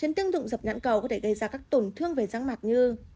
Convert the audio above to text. trên tương dụng dập nhăn cầu có thể gây ra các tổn thương về rắc mạc như